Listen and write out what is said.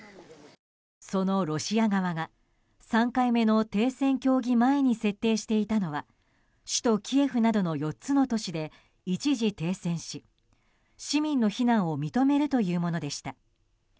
そのロシア側が３回目の停戦協議前に設定していたのは首都キエフなどの４つの都市で一時停戦し、市民の避難を認めるというものでした。